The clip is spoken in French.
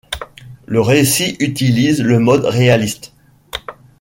Le récit utilise le mode réaliste.